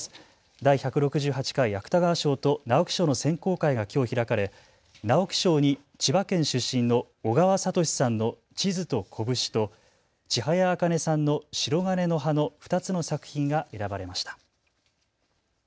第１６８回芥川賞と直木賞の選考会がきょう開かれ、直木賞に千葉県出身の小川哲さんの地図と拳と千早茜さんのしろがねの葉の２つの作品が選ばれました。